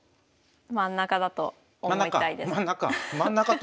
真ん中だと思いたいです。